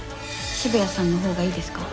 渋谷さんのほうがいいですか？